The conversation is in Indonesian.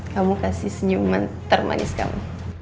kamu kasih senyuman termanis kamu